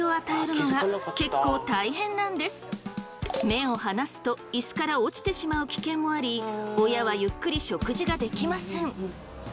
目を離すとイスから落ちてしまう危険もあり親はゆっくり食事ができません。